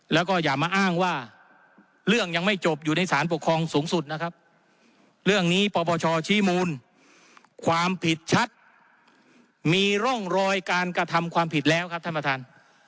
แล้วก็อย่ามาอ้างว่าเรื่องยังไม่จบอยู่ในสารปกครองสูงสุดนะครับเรื่องนี้ปปชชี้มูลความผิดชัดมีร่องรอยการกระทำความผิดแล้วครับท่านประธาน